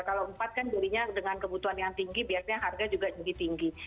kalau empat kan jadinya dengan kebutuhan yang tinggi biasanya harga juga jadi tinggi